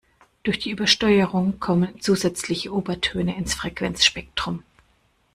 Durch die Übersteuerung kommen zusätzliche Obertöne ins Frequenzspektrum.